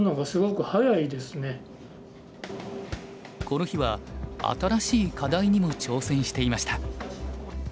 この日は新しい課題にも挑戦していました。